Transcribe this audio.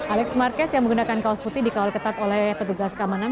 alex marquez yang menggunakan kaos putih dikawal ketat oleh petugas keamanan